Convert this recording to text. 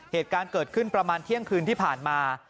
เหตุการณ์เกิดขึ้นประมาณเที่ยงคืนที่ผ่านมา